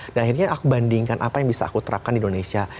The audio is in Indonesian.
dan akhirnya aku bandingkan apa yang bisa aku terapkan di indonesia